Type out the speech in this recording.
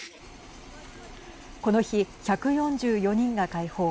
この日、１４４人が解放。